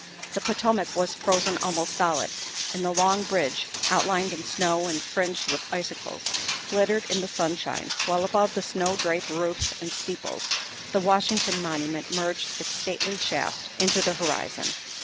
The Potomac was frozen almost solid and the Long Bridge, outlined in snow and fringed with icicles, glittered in the sun shine, while above the snow draped roofs and steeples the Washington Monument merged its stately shaft into the horizon.